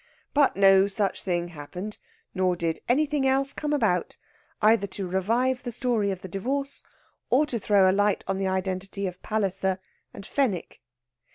But no such thing happened, nor did anything else come about either to revive the story of the divorce or to throw a light on the identity of Palliser and Fenwick.